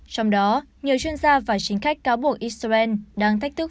trong đó nhiều chuyên gia và chính khách cáo buộc israel đang thách thức